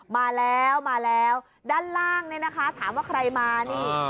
มาแล้วมาแล้วด้านล่างเนี่ยนะคะถามว่าใครมานี่